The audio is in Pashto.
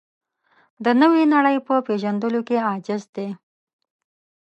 د نوې نړۍ په پېژندلو کې عاجز دی.